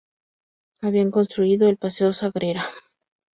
Habían construido el Paseo Sagrera.